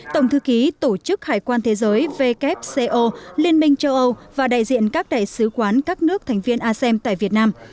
tổng thư ký tổ chức hải quan thế giới wco liên minh châu âu và đại diện các đại sứ quán các nước thành viên asem tại việt nam